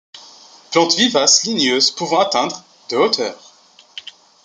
Plante vivace ligneuse pouvant atteindre de hauteur.